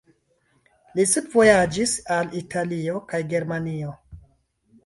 Li studvojaĝis al Italio kaj Germanio.